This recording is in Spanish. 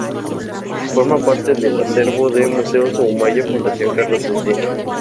Forma parte del acervo de Museo Soumaya Fundación Carlos Slim.